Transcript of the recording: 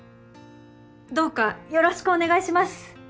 どうかよろしくお願いします。